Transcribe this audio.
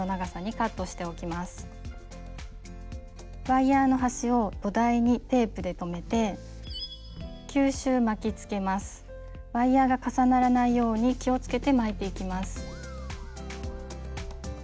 ワイヤーの端を土台にテープで留めてワイヤーが重ならないように気をつけて巻いていきます。